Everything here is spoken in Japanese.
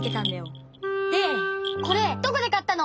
でこれどこでかったの！